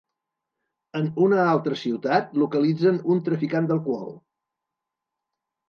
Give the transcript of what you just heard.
En una altra ciutat, localitzen un traficant d'alcohol.